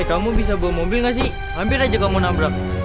kamu bisa bawa mobil nggak sih hampir aja kamu nabrak